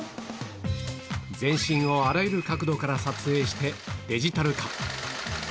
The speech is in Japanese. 全身をあらゆる角度から撮影してデジタル化。